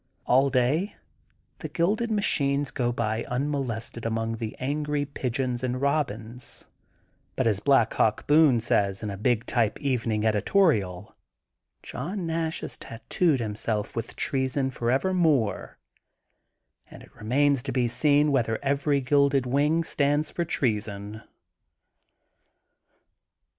All day the gilded machines go by unmolested among the angry Pigeons and Eobins, but as Black Hawk Boone says in a big type evening edi torial: John Nash has tattooed himself with treason f orevermore and it remains to be seen whether every gilded wing stands for treason.'